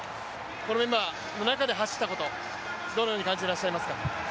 このメンバーの中で走ったことどのように感じてらっしゃいますか？